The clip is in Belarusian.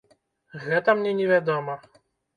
Гэта мне не вядома.